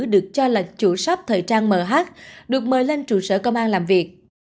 được cho là chủ shop thời trang mh được mời lên trụ sở công an làm việc